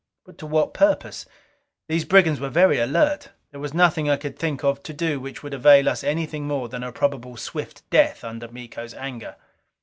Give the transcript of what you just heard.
But to what purpose? These brigands were very alert. There was nothing I could think of to do which would avail us anything more than a probable swift death under Miko's anger.